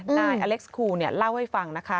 นายอเล็กซ์คูลเล่าให้ฟังนะคะ